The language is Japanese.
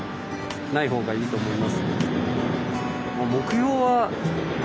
ない方がいいと思いますので。